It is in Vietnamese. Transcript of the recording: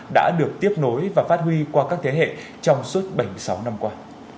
các cán bộ đã được tiếp tục kết nối và phát huy qua các thế hệ trong suốt bảy mươi sáu năm qua